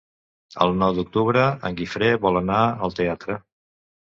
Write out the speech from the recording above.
El nou d'octubre en Guifré vol anar al teatre.